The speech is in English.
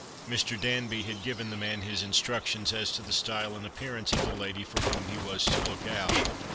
Mr. Danby had given the man his instructions as to the style and appearance of the lady for whom he was to look out.